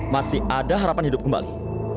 masih ada harapan hidup kembali